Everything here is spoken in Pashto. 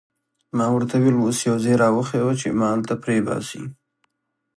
ما ورته وویل: اوس یو ځای را وښیه چې ما هلته پرېباسي.